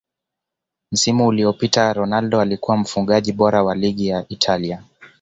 msimu uliyopita ronaldo alikuwa mfungaji bora wa ligi ya Italia